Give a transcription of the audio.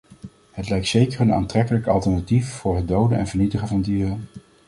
Het lijkt zeker een aantrekkelijk alternatief voor het doden en vernietigen van dieren.